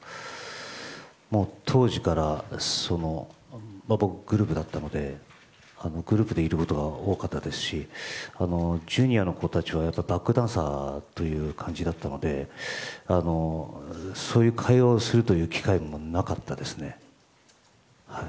当時から僕はグループだったのでグループでいることが多かったですしＪｒ．の子たちはバックダンサーという感じだったのでそういう会話をするという機会もなかったですね。